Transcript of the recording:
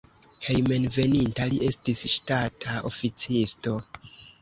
Hejmenveninta li estis ŝtata oficisto.